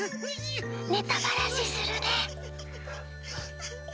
ネタばらしするね。